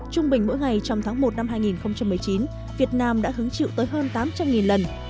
trung bình mỗi ngày trong tháng một năm hai nghìn một mươi chín việt nam đã hứng chịu tới hơn tám trăm linh lần